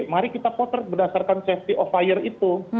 mari kita potret berdasarkan safety of fire itu